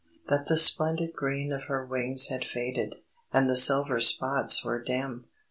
that the splendid green of her wings had faded, and the silver spots were dim.